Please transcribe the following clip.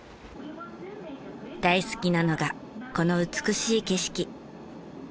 大好きなのがこの美しい景色。